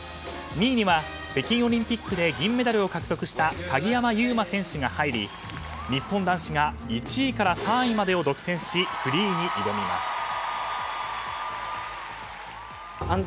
２位には北京オリンピックで銀メダルを獲得した鍵山優真選手が入り日本男子が１位から３位までを独占しフリーに挑みます。